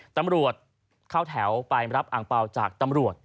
ตำรวจเข้าแถวไปรับอังเปล่าจากตำรวจ